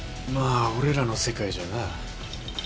まあ俺らの世界じゃな。